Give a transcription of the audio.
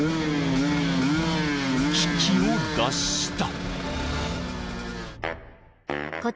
［危機を脱した］